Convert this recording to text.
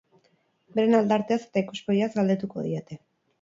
Beren aldarteaz eta ikuspegiaz galdetuko diete.